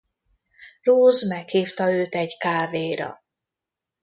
Rose meghívta őt egy kávéra.